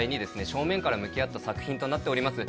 正面から向き合った作品となっております